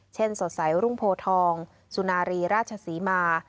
สดใสรุ่งโพทองสุนารีราชศรีมา